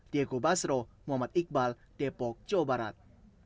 diego basro muhammad iqbal depok jawa barat